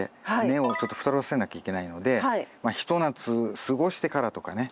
根をちょっと太らせなきゃいけないのでひと夏過ごしてからとかね。